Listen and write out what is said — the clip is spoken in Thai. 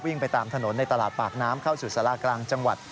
ไปตามถนนในตลาดปากน้ำเข้าสู่สารากลางจังหวัด